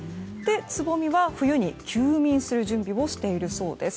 つぼみは冬に休眠する準備をしているそうです。